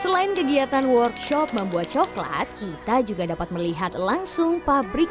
selain kegiatan workshop membuat coklat kita juga dapat melihat langsung pabrik